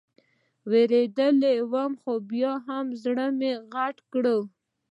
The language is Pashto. وېرېدلى وم خو بيا مې زړه غټ کړ.